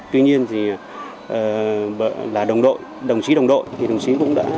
tuy nhiên là đồng đội đồng chí đồng đội